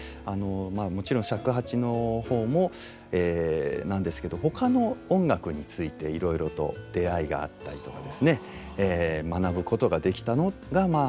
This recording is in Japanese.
もろちん尺八の方もなんですけどほかの音楽についていろいろと出会いがあったりとかですね学ぶことができたのがまあ本当に大きかったと思います。